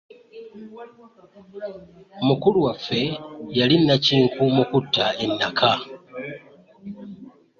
Mukulu waffe yali nakinku mu kutta ennaka.